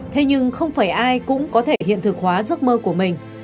thế nhưng không phải ai cũng có thể hiện thực hóa giấc mơ của mình